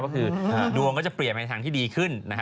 ก็คือดวงก็จะเปลี่ยนไปทางที่ดีขึ้น